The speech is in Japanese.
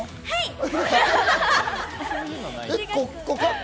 はい。